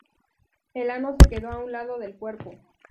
El ano se quedó a un lado del cuerpo.